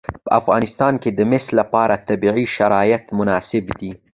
په افغانستان کې د مس لپاره طبیعي شرایط مناسب دي.